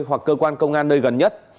hoặc cơ quan công an nơi gần nhất